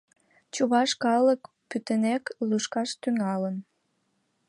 Чуваш калык пӱтынек лӱшкаш тӱҥалын.